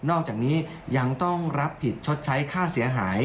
อกจากนี้ยังต้องรับผิดชดใช้ค่าเสียหาย